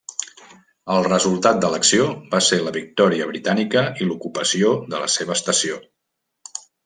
El resultat de l'acció va ser la victòria britànica i l'ocupació de la seva l'estació.